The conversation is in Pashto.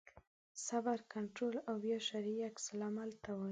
صبر کنټرول او بیا شرعي عکس العمل ته وایي.